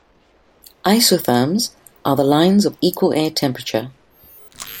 "Isotherms" are the lines of equal air temperature.